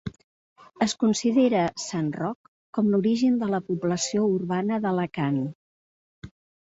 Es considera Sant Roc com l'origen de la població urbana d'Alacant.